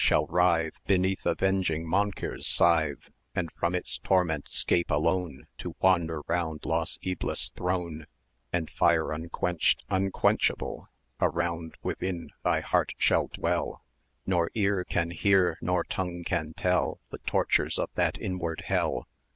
shall writhe Beneath avenging Monkir's scythe; And from its torments 'scape alone To wander round lost Eblis' throne; 750 And fire unquenched, unquenchable, Around, within, thy heart shall dwell; Nor ear can hear nor tongue can tell The tortures of that inward hell!